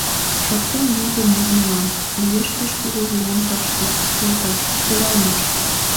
Шоктен юзо мут мылам: «Лиеш пеш кугу виян Тыште, йолташ, кредалмаш».